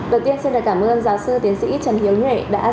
đầu tiên xin cảm ơn giáo sư tiến sĩ trần hiếu nghệ